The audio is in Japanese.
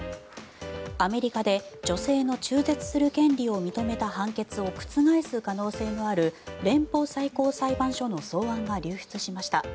アメリカで女性の中絶する権利を認めた判決を覆す可能性のある連邦最高裁判所の草案が流出しました。